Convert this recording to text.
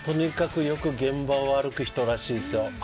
この人はとにかく現場を歩く人らしいですよ。